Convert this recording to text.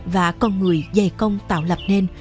và con người dày công tạo lập nên